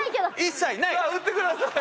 さあ打ってください。